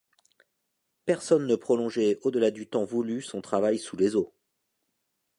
personne ne prolongeait au-delà du temps voulu son travail sous les eaux.